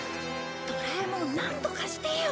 ドラえもんなんとかしてよ！